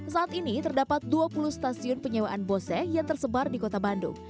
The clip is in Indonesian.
saat ini terdapat dua puluh stasiun penyewaan bose yang tersebar di kota bandung